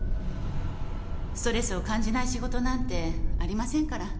ストレスを感じない仕事なんてありませんから。